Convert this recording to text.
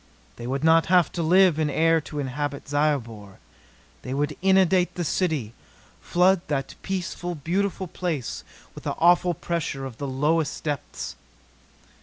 They would not have to live in air to inhabit Zyobor. They would inundate the city flood that peaceful, beautiful place with the awful pressure of the lowest depths!